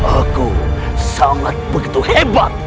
aku sangat begitu hebat